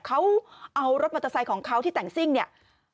เขาเอารถมอเตอร์ไซค์ของเขาที่แต่งซิ่งเนี่ย